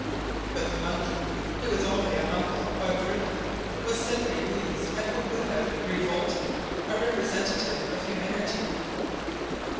But the monkey, who was only a humble quadruman, was simply amused at what would have revolted a representative of humanity.